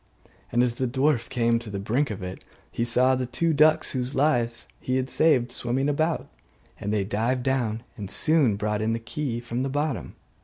And as the dwarf came to the brink of it, he saw the two ducks whose lives he had saved swimming about; and they dived down and soon brought in the key from the bottom.